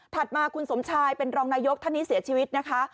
มาคุณสมชายเป็นรองนายกท่านนี้เสียชีวิตนะคะ